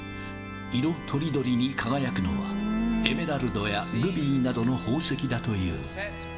色とりどりに輝くのは、エメラルドやルビーなどの宝石だという。